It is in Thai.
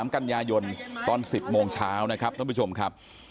กันยายนตอน๑๐โมงเช้านะครับท่านผู้ชมครับ